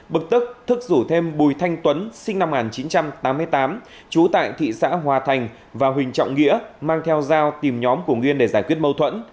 bực tức rủ thêm bùi thanh tuấn sinh năm một nghìn chín trăm tám mươi tám trú tại thị xã hòa thành và huỳnh trọng nghĩa mang theo dao tìm nhóm của nghiên để giải quyết mâu thuẫn